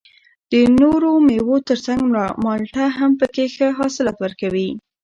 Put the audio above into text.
د نورو مېوو تر څنګ مالټه هم پکې ښه حاصلات ورکوي